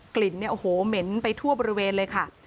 กลิ่นเนี่ยโอ้โหเหม็นไปทั่วบริเวณเลยค่ะ